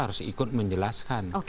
harus ikut menjelaskan